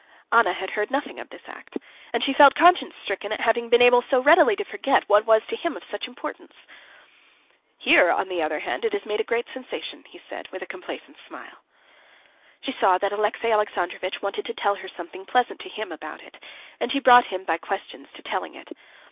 Anna had heard nothing of this act, and she felt conscience stricken at having been able so readily to forget what was to him of such importance. "Here, on the other hand, it has made a great sensation," he said, with a complacent smile. She saw that Alexey Alexandrovitch wanted to tell her something pleasant to him about it, and she brought him by questions to telling it.